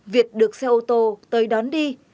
việt được xe ô tô tới đón đi